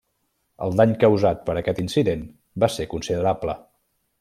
El dany causat per aquest incident va ser considerable.